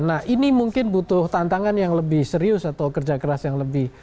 nah ini mungkin butuh tantangan yang lebih serius atau kerja keras yang lebih